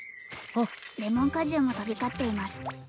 あっレモン果汁も飛び交っています